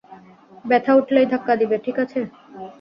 ব্যথা উঠলেই ধাক্কা দিবে, ঠিক আছে?